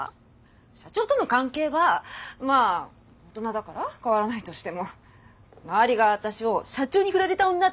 社長との関係はまあ大人だから変わらないとしても周りが私を「社長にフラれた女」って目で見るでしょ！